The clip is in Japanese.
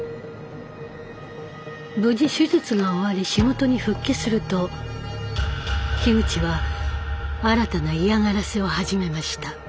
無事手術が終わり仕事に復帰すると樋口は新たな嫌がらせを始めました。